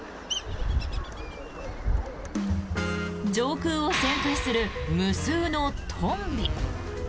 上空を旋回する無数のトンビ。